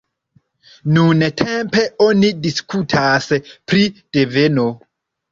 Nuntempe oni diskutas pri deveno.